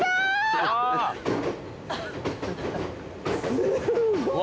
すごい。